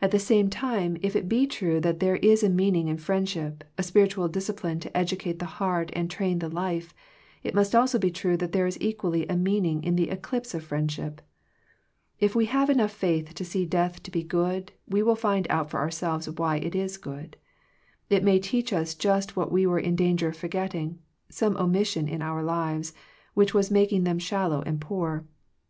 At the same time, if it be true that there is a meaning in friendship, a spirit* ual discipline to educate the heart and train the life, it must also be true that there is equally a meaning in the eclipse of friend* ship. If we have enough faith to see death to be good, we will find out for ourselves why it is good. It may teach us just what we were in danger of for getting, some omission in our lives, which was making them shallow and poor.